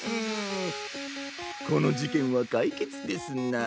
このじけんはかいけつですな。